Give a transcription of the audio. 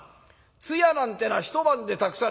通夜なんてのは１晩でたくさん」。